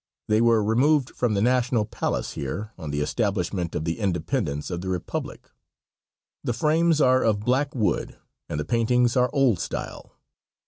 They were removed from the national palace here, on the establishment of the independence of the Republic. The frames are of black wood and the paintings are old style.